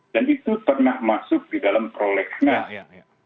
dan itu pernah masuk di dalam prolegnas